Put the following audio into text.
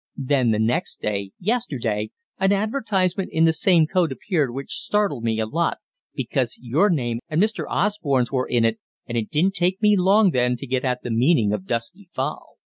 Then the next day yesterday an advertisement in the same code appeared which startled me a lot because your name and Mr. Osborne's were in it, and it didn't take me long then to get at the meaning of 'Dusky Fowl.'